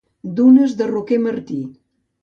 Dunes del Roquer Martí